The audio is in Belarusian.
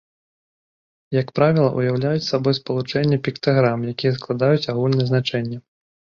Як правіла, уяўляюць сабой спалучэнне піктаграм, якія складаюць агульнае значэнне.